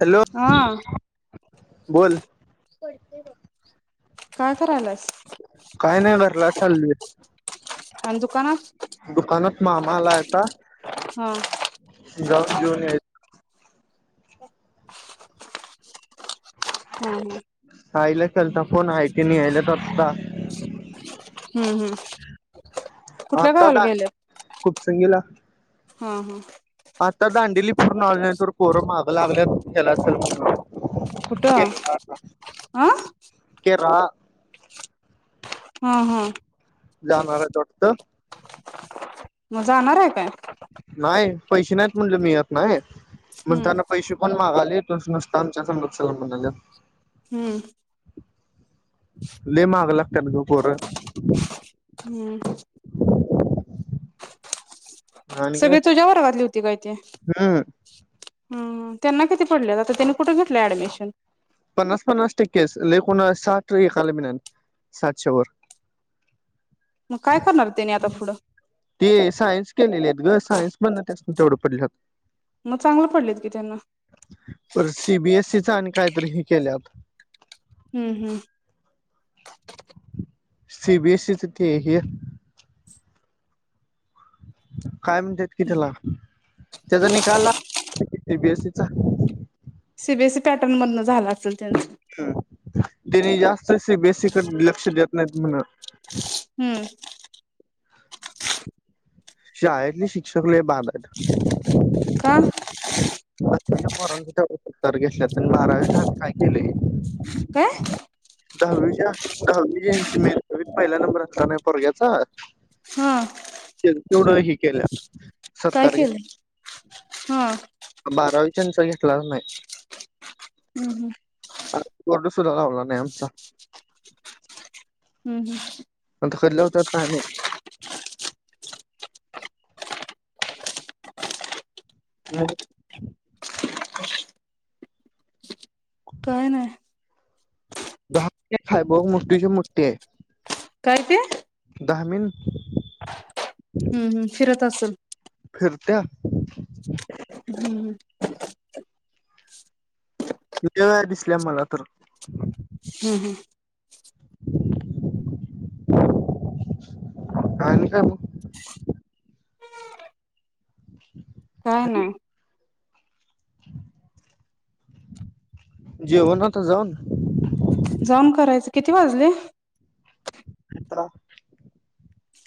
Hello हा बोल. काय करालास काही नाही भरला चालली आणि दुकानात दुकानात मामाला आता हा ह जाऊन घेऊन या [inaudible] हम्म, हम्म त्यांचा फोन आहे क निहालेत आत्ता..... हम्म हम्म कुठल्या आता गावाला दा गेले खूप चंगीला... हा हा न तर पोर मागं लागल्या चला चल.... कुठं? अं.... केरळा हं हं जाणार यात वाटतं.. मग जाणार आहे... काय नाही पैसे नाहीत म्हणटल मी येत नाय..... मग हम्म त्यांना पैसे पण मागाल.. तेच नसतं आमच्या संग चल म्हणाल्यात? हम्म लै माग ला [unintelligible] पोर.... हम्म आणि काय सगळी तुझ्यावर वाजली होती काय ते? हम्म हम्म त्यांना किती पडले आता त्यांनी कुठून घेतलं ऍडमिशन.... पन्नास पन्नास टक्के लै कोणाला साठ ऐकला बी नाय साठ च्या वर.... मग काय करणार त्यानी आता पुढं? ते सायन्स केलेले येत ग सायन्स पण त्यासनी तेवढं पडल्यात मग चांगलं पडलेत की त्यांना बरं सीबीएसईचा आणि..... काहीतरी ही केल्यात... हम्म हम्म... सी बी एस ई चे ते हे काय म्हणतेत कि त्याला? त्याचा निकाल ला सीबीएसईचा. सीबीएसी पॅटर्न मधनं झाला असेल त्यांचं... हम्म त्यांनी जास्त सि बी एस सी कड लक्ष देत नाहीत म्हण..... हम्म शाळेेतली शिक्षक लै बाधड... का दहावी च्या पोरांचा तेवढ उत्तर घेतला त्यांनी काय केले काय दहावीच्या दहावी यांची मेरीट पहिला नंबर असणार नाही पोरग्याचा हा तेवढ ही केलं.. काय केलंय हं.. बारावीच्यांच घेतला नाही? हम्म हम्म. आ बोर्ड सुद्धा लावला नाही आमचा.... हम्म हम्म [unintelligible] काय माहीत. मोहोर काय नाही [inaudible] दहा हाय बघ मोठीची मोठी हाय. काय ते? धामीन हम्म हम्म फिरत असेल. फिरत्या हम्म हम्म. किती वेळा दिसल्या मला तर. हम्म, हम्म. आणि काय मग? काय नाही [inaudible] जेवन अता जाऊन? जाम करायचं. किती वाजले? दहा,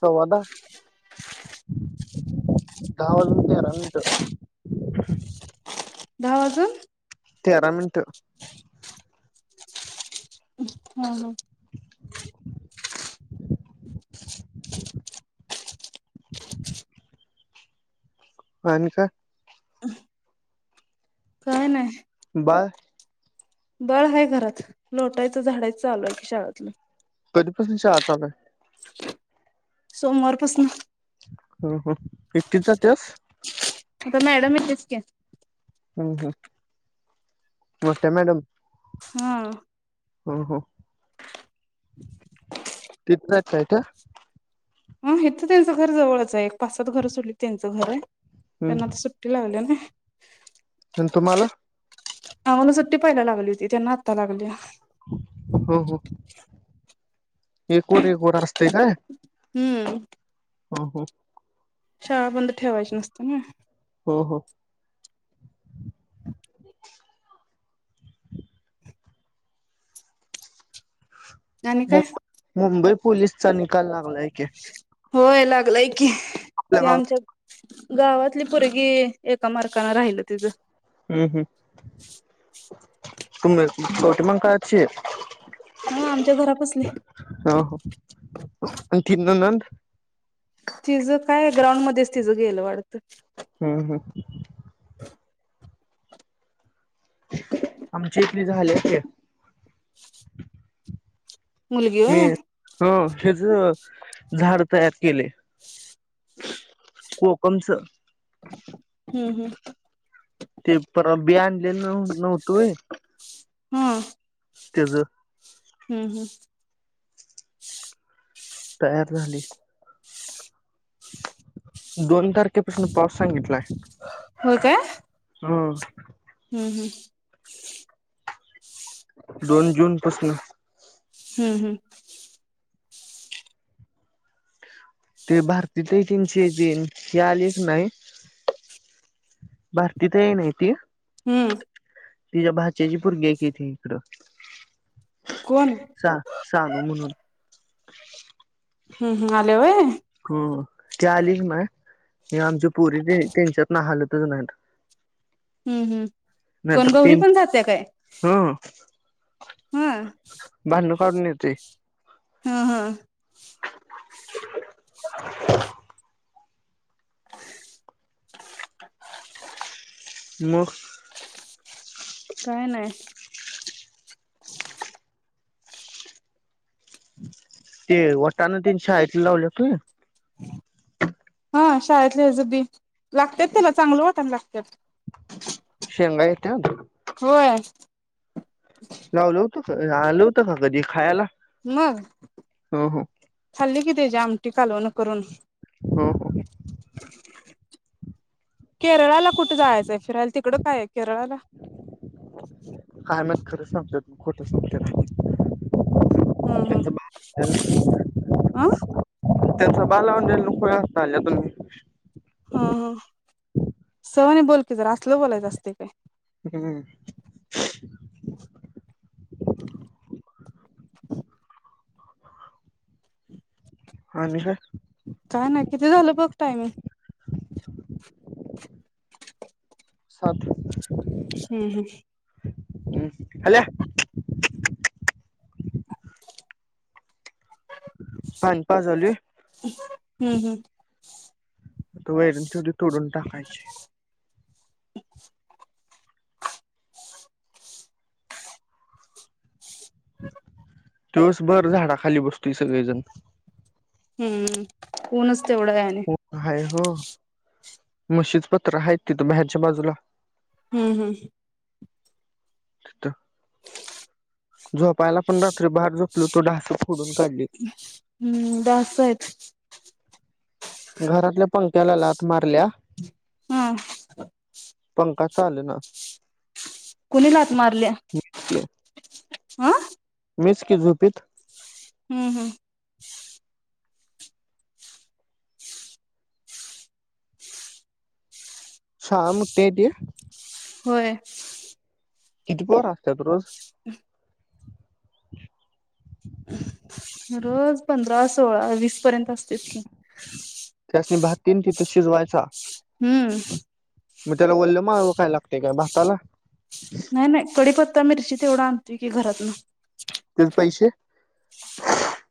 सव्वा-दहा, दहा वाजून तेरा मिनिटं दहा वाजून तेरा मिनिट. हं, हं आणि काय काय नाही बाळ बाळ आहे घरात. लोटायचं, झाडायचं आलू आहे की शाळातलं. कधीपासून शाळा चालू हाय? सोमवारपासनं हो हो एकटीच जातियास. आता मॅडम येत्याचं की. हम्म, हम्म मग त्या मॅडम हम ह हो [inaudible] तिथन आहेत काय त्या? ह हे तर त्यांचं घर जवळच आहे. एक पाच सात घर सुडलीत त्यांचं घर आहे. त्यांना हम्म आता सुट्टी लावल्या नई. आणि तुम्हाला? आम्हाला सुट्टी पहीला लागली होती त्यांना आत्ता लागली. हो, हो एक वर, एक वर असतय काय? हम्म हं हो. शाळा बंद ठेवायची नसते नई. हो, हो. [inaudible] आणि काय मुं-मुंबईत पुलिसचा निकाल ला हुलायकी होय लागलाय की. ते आमच्यात गावातली पूरगी एका मार्काने राहिल तिज हम्म, हम्म कोण ग कवठेमहांकाळची? हा आमच्या घरापसले आ हो आणि ती ननंद? तिझं काय ग्राउंडमध्येच तिझं गेलं वाटतं. हम्म हम् आमच्या इथली झाल्यात की. मुलगी वय हेच झाड तयार केलय कोकमच. हम्म हम् ते परवा बी आणलेल नव्हत होय हम्म तेज हम्म हम्म तयार झाली दोन तारखेपासनं पाऊस सांगितलाय. होय हम हम हं दोन जूनपासनं हम्म हम् ते भारती ताई त्यांची तीन हे आलीच नाही. भारती ताई आहे ना ती हम्म तिच्या भाच्याची पोरगी हाय की ति हिकड कोण सानू सानू म्हणून हम्म हम आल्या होय हो ती आली की नाय हे आमची पुरी त्यांनच्यातन हलतच नाहीत हम्म, हम्म कोण नाहीतर गौरी तीन पण जात्या काय? ह हम फाडुण येतोय. हा हा [inaudible] मग काय नाही ते वटान तेन शाळेतला लावल्यात होय हा शाळेतले हेज बी लागत्यात त्याला चांगलं वाटन लागत्यात [inaudible] शेंगा येत्यात? होय लावलं हुतं? आलं हुतं का कधी खायला? मग हो हो खाल्ली की तेजी आमटी कालवण करून हो, हो. केरळाला कुठं जायचंय फिरायला? तिकडं काय आहे केरळाला? नाही खरं सांगतोय पण खोटं [unintelligible] हम्म, हम्म त्यांचं आ? त्याचं बा लावून द्यायला नको होय [unintelligible] आल्या तुम्ही हा हा सवनी बोल की जरा असलं बोलायचं असतंय काय? हं [inaudible] आणि काय? काय नाय, किती झालं बघ टायमिंग? [inaudible] सात. हम्म हम्म हम्म हाल्या पाणी पाजालूय. हं, हं. तू वैरण तिवढी तोडून टाकायची. [inaudible] दिवसभर झाडाखाली बसतूय सगळीजण. हम्म, कोणंच तेवढं हाय आणि म्हशीचं पत्रं हायत तिथं बाहेरच्या बाजूला हम्म, हम्म. [unintelligible] झोपायला पण रात्री बाहेर झोपलोवतो. डास हम्म, डास आहेत. घरातल्या पंख्याला लाथ मारल्या हं. का चालंना? कुणी लाथ मारल्या? आ? मीच की झोपीत. हम्म, हम्म. शाळा मोठीय ती? होय. किती पोरं असत्यात रोज? रोज पंधरा, सोळा, वीसपर्यंत असतेत की. तीन तिथं शिजवायचा हम्म. मी त्याला बोलल माळवं काय लागत काय भाताला नाही-नाही कढीपत्ता, मिरची तेवढ आणतोय की घरातन त्याच पैसेे [inaudible]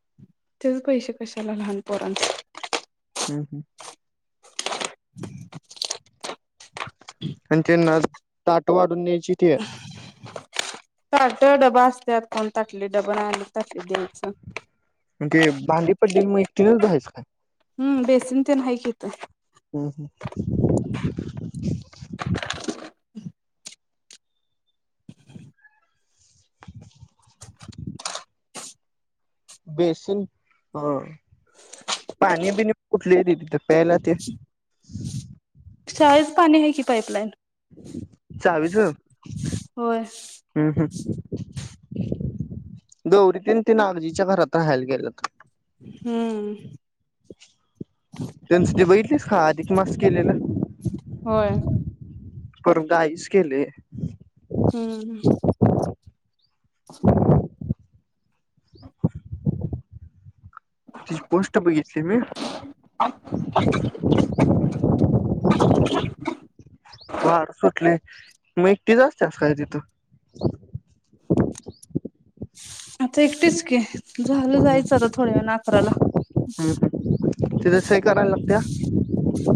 तेच पैसे कशाला लहान पोरांचे? [inaudible] हम्म हम्म आणि त्यांना ताट वाढून न्यायची ते ताट, डबा असत्यात. कोण ताटली, डबा नाही आणत. ताटलीत द्यायचं. म्हणजे भांडी पडलेल मग एकटीनच धुवायचे काय? ते नाहीत इथ हम् हम बेसन हा पाणी बिनी कुठलं येतय प्यायला शाळेच पाणी आहे की पाईपलाईन [inaudible] चावीचं होय [inaudible] हुं हुं [inaudible] द गौरी तन ते नागजीच्या घरात राहायला गेल्यात हम्म त्यांचे ते बघितलीस काय अधिक मास केलेलं? होय परत गाइस केलय. हम्म हम्म [inaudible] तिची पोस्ट बघितली मी [inaudible] वारं सुटलय मग एकटीच असतेस काय तिथं? आता एकटेच की झालं हम्म जायचंय थोड्यावेळाने आता अकराला हम्म तिथं सही करायला लागत्या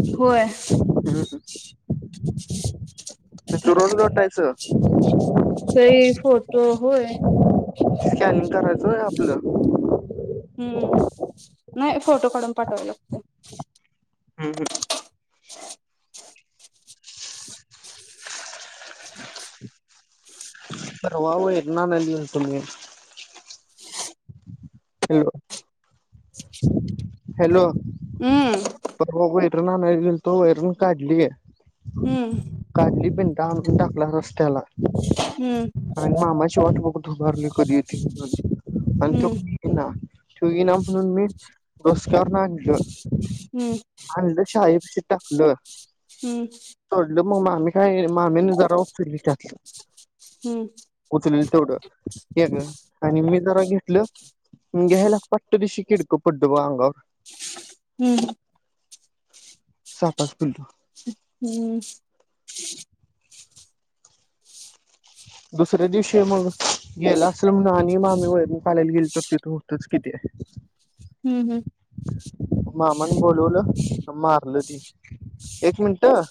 [inaudible] होय [inaudible] हम्म हम्म ते रोज लोटायचं तेही फोर ह होय [inaudible] स्कॅनिंग करायचं होय आपलं हम्म नाही फोटो काढून पाठवाव लागतय. हंम हंम परवा वैरण आणायला गेलो मी हॅलो हॅलो हुमं परवा वैरण आणायला गेलतो. वैरण काढली. हम्म टिफिन आणून टाकला रस्त्याला हम्म अ मामा शेवाट बघून दुबारला कधी येती. आणि तू हम्म [inaudible] तू येईना म्हणून मी डोसक्यावरन आणंल हम्म शाळेपाशी टाकलं हम्म तोडल मग मामी काय मामीन जरा उचली त्यातलं... हम् उचली तेवढं ते गं आणि मी जरा घेतलं मी घ्यायला पटदिशी किडक पडल बंग अंगावर हम्म - सापाच पिल्लू..... हम्म दुसऱ्या दिवशी मग गेलं असल म्हणून आणि मामी वैरण काढायला गेली तर तिथं होतच कि ते हम्म मामानं बोलवलं आणि मारलं ते एक मिनिट हं